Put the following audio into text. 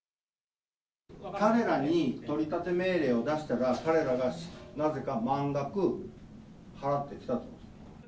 彼らに取り立て命令を出したら、彼らがなぜか満額払ってきたと。